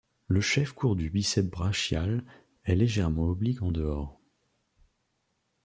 Le chef court du biceps brachial est légèrement oblique en dehors.